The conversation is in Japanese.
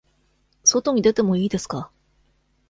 外に出てもいいですか。